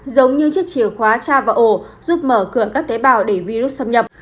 giống như chiếc chìa khóa cha vào ổ giúp mở cửa các tế bào để virus xâm nhập